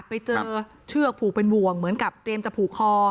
ไปเจอเชือกผูกเป็นห่วงเหมือนกับเตรียมจะผูกคอ